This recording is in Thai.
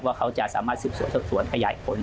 ว่าเขาจะสามารถสืบส่วนขยายผล